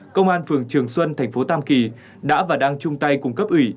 công an phường trường xuân thành phố tam kỳ đã và đang chung tay cùng cấp ủy